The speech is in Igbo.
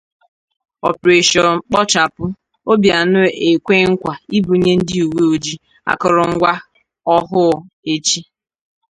Operation Kpochapụ: Obianọ Ekwe Nkwà Ibunye Ndị Uwe Ojii Akụrụngwa Ọhụụ Echi